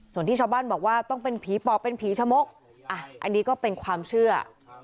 ส่วนที่ชาวบ้านบอกว่าต้องเป็นผีปอบเป็นผีชะมกอันนี้ก็เป็นความเชื่อ